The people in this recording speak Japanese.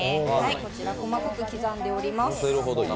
こちら細かく刻んでおります。